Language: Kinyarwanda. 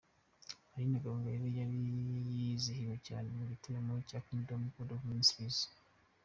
Aline Gahongayire yari yizihiwe cyane mu gitaramo cya Kingdom of God Ministries.